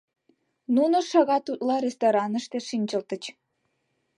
Нуно шагат утла рестораныште шинчылтыч.